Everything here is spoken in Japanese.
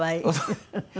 フフフフ。